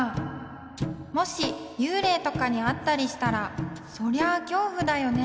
もしゆうれいとかにあったりしたらそりゃ恐怖だよね。